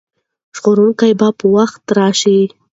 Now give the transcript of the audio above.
ژغورونکی به په وخت راشي.